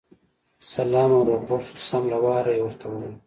سلا او روغبړ شو، سم له واره یې ورته وویل.